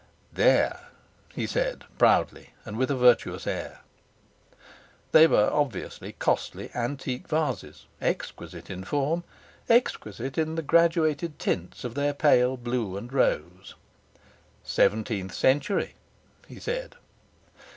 'There!' he said, proudly, and with a virtuous air. They were obviously costly antique vases, exquisite in form, exquisite in the graduated tints of their pale blue and rose. 'Seventeenth century!' he said.